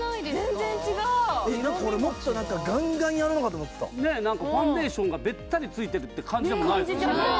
全然違ーうこれもっと何かガンガンやるのかと思ってた何かファンデーションがべったりついてるって感じでもないですね